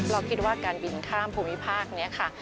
เราคิดว่าการบินข้ามภูมิภาคนี้ค่ะ